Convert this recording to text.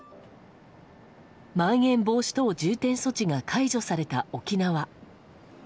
まん延防止等重点措置が解除された沖縄。